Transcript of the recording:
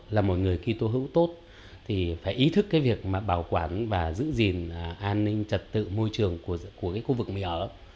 là mọi người khi tu hữu tốt thì phải ý thức cái việc mà bảo quản và giữ gìn an ninh trật tự môi trường của cái khu vực mình ở